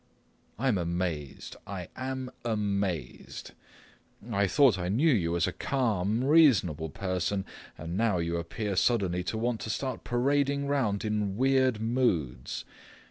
I am amazed. I am amazed. I thought I knew you as a calm, reasonable person, and now you appear suddenly to want to start parading around in weird moods.